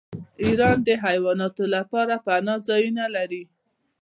ایران د حیواناتو لپاره پناه ځایونه لري.